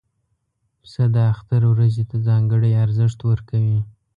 پسه د اختر ورځې ته ځانګړی ارزښت ورکوي.